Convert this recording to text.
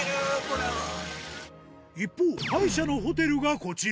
一方、敗者のホテルがこちら。